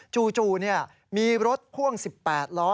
จู่มีรถพ่วง๑๘ล้อ